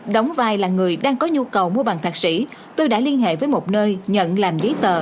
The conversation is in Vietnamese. đóng vai là người đang có nhu cầu mua bằng thạc sĩ tôi đã liên hệ với một nơi nhận làm giấy tờ